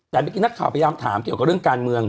แต่เมื่อกี้นักข่าวพยายามถามเกี่ยวกับเรื่องการเมือง